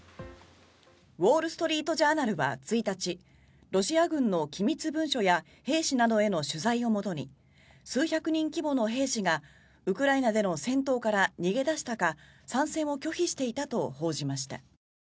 ウォール・ストリート・ジャーナルは１日ロシア軍の機密文書や兵士などへの取材をもとに数百人規模の兵士がウクライナでの戦闘から逃げ出したか参戦を拒否していたと報じました。